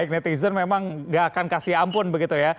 netizen memang gak akan kasih ampun begitu ya